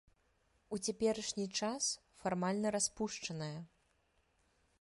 У цяперашні час фармальна распушчаная.